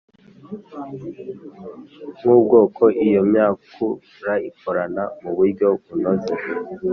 nk ubwonko Iyo myakura ikorana mu buryo bunoze